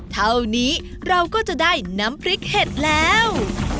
เท่านี้เราก็จะได้น้ำพริกเห็ดแล้ว